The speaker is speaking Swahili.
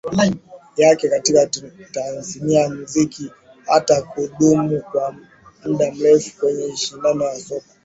yake katika tasnia ya muziki hata kudumu kwa muda mrefu kwenye ushindani wa soko